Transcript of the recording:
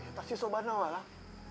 kita masih sama alam